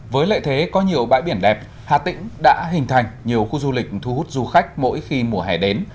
với lợi thế có nhiều bãi biển đẹp hà tĩnh đã hình thành nhiều khu du lịch thu hút du khách mỗi khi mùa hè đến